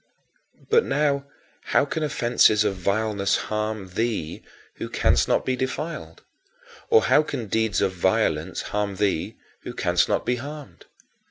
But now how can offenses of vileness harm thee who canst not be defiled; or how can deeds of violence harm thee who canst not be harmed?